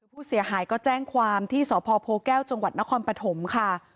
ผู้เสียหายก็แจ้งความที่สพโพแก้วจังหวัดนครปฐมค่ะ